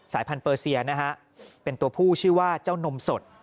พันธุเปอร์เซียนะฮะเป็นตัวผู้ชื่อว่าเจ้านมสด